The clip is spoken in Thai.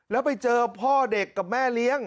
แล้วไปเจอพ่อเด็กกับแม่เลี้ยง